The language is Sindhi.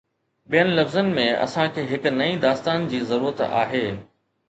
ٻين لفظن ۾، اسان کي هڪ نئين داستان جي ضرورت آهي.